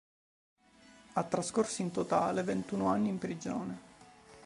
Ha trascorso in totale ventuno anni in prigione.